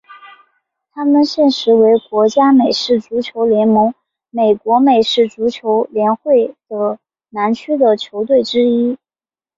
他们现时为国家美式足球联盟美国美式足球联会的南区的球队之一。